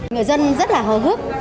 người dân rất là hơ hức